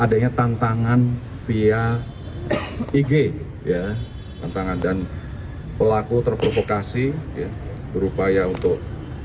adanya tantangan via ig ya tantangan dan pelaku terprovokasi berupaya untuk